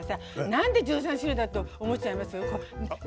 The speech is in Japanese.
なんで１３種類だと思っちゃいます？